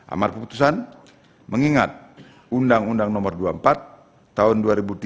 amar putusan mengingat undang undang nomor dua puluh empat tahun dua ribu tiga